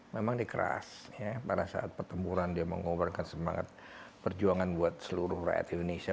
memang dikeras pada saat pertempuran dia mengubahkan semangat perjuangan buat seluruh rakyat indonesia